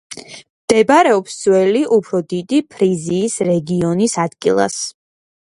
მდებარეობს ძველი, უფრო დიდი ფრიზიის რეგიონის ადგილას.